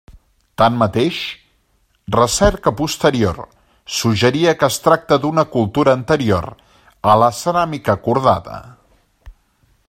Tanmateix, recerca posterior suggeria que es tracta d'una cultura anterior a la ceràmica cordada.